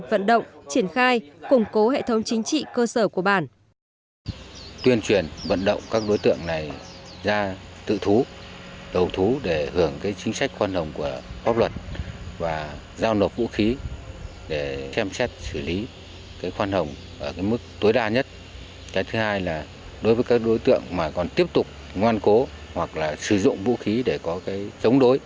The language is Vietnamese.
vận động triển khai củng cố hệ thống chính trị cơ sở của bản